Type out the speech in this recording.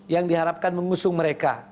yang diharapkan mengusung mereka